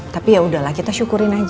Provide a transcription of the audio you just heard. tapi yaudahlah kita syukurin aja